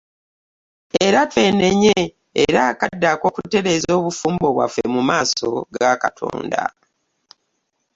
Era twenenye era akadde ak'okutereeza obufumbo bwaffe mu maaso ga Katonda